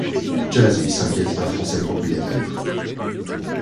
Jersey s’inquiète d’un français propriétaire.